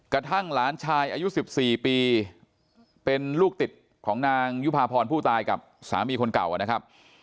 กระทั่งหลานชายอายุ๑๔ปีเป็นลูกติดของนางยุภาพรผู้ตายกับสามีคนเก่านะครับ